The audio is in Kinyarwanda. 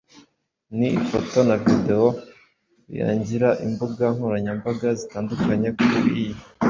ni ifoto na videwo biangira imbuga nkoranyambaga zitandukanye ku ii